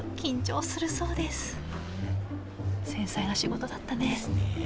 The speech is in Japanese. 繊細な仕事だったねですね